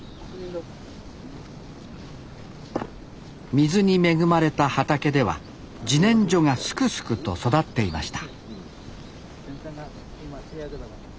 水に恵まれた畑ではじねんじょがすくすくと育っていました